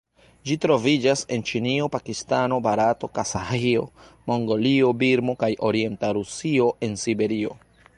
Ĝi troviĝas en Ĉinio, Pakistano, Barato, Kazaĥio, Mongolio, Birmo kaj orienta Rusio en Siberio.